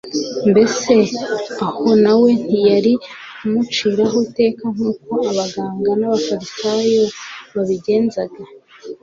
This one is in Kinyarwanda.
Mbese, aho na we ntiyari kumuciraho iteka nk'uko abaganga n'abafarisayo babigenzaga,